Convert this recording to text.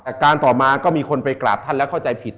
การต่อมาก็มีคนไปกราบท่านแล้วเข้าใจผิด